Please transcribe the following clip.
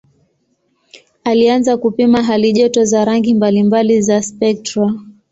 Alianza kupima halijoto za rangi mbalimbali za spektra.